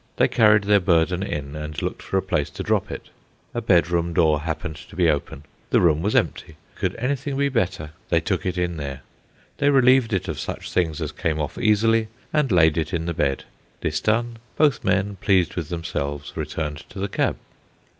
They carried their burden in, and looked for a place to drop it. A bedroom door happened to be open; the room was empty; could anything be better? they took it in there. They relieved it of such things as came off easily, and laid it in the bed. This done, both men, pleased with themselves, returned to the cab.